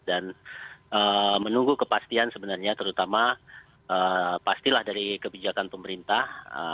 dan menunggu kepastian sebenarnya terutama pastilah dari kebijakan pemerintah